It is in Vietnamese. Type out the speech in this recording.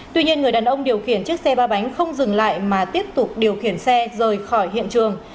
tuy nhiên người đàn ông điều khiển chiếc xe ba bánh không dừng lại mà tiếp tục điều khiển xe rời khỏi hiện trường